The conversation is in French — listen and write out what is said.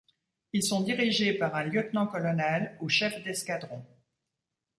Ils sont dirigés par un Lieutenant-colonel ou chef d'escadron.